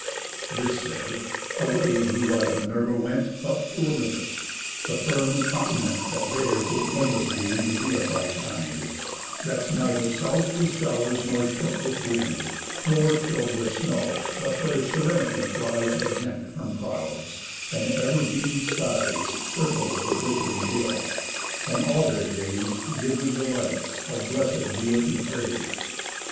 This said, away blue eyed Minerva went Up to Olympus, the firm continent That bears in endless being the Deified kind, That's neither sous'd with show'rs, nor shook with wind, Nor chill'd with snow, but where Serenity flies Exempt from clouds, and ever beamy skies Circle the glitt'ring hill, and all their days Give the delights of blesséd Deity praise.